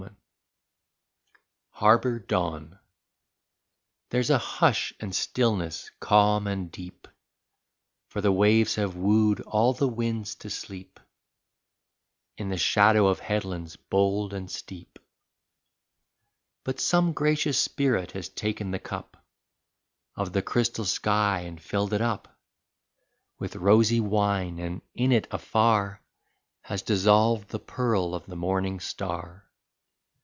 31 HARBOR DAWN There's a hush and stillness calm and deep, For the waves have wooed all the winds to sleep In the shadow of headlands bold and steep; But some gracious spirit has taken the cup Of the crystal sky and filled it up With rosy wine, and in it afar Has dissolved the pearl of the morning star.